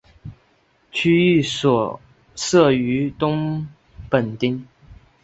区役所设于东本町。